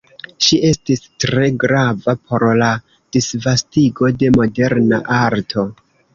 Ŝi estis tre grava por la disvastigo de moderna arto.